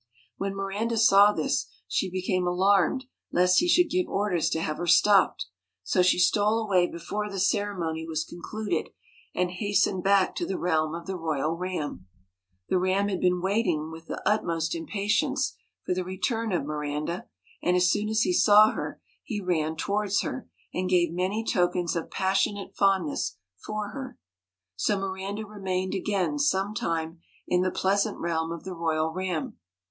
When Miranda saw this, she became alarmed lest he should give orders to have her stopped ; so she stole away before the ceremony was concluded and hastened back to the realm of the royal Ram. The Ram had been waiting with the utmost impatience for the return of Miranda ; and as soon as he saw her, he ran towards her, and gave many tokens of passionate fondness for her. So Miranda remained again some time in the pleasant realm of the royal Ram.